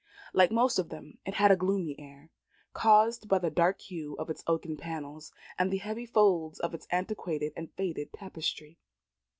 Like most of them, it had a gloomy air, caused by the dark hue of its oaken panels, and the heavy folds of its antiquated and faded tapestry.